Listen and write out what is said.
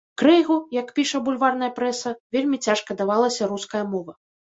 Крэйгу, як піша бульварная прэса, вельмі цяжка давалася руская мова.